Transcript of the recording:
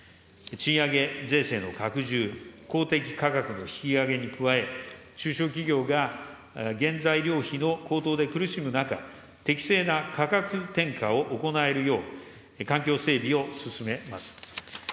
賃上げ税制の拡充、公的価格の引き上げに加え、中小企業が原材料費の高騰で苦しむ中、適正な価格転嫁を行えるよう、環境整備を進めます。